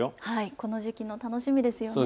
この時期も楽しみですよね。